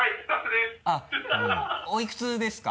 おいくつですか？